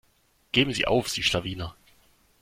Geben sie auf, sie Schlawiner.